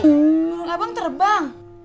burung abang terbang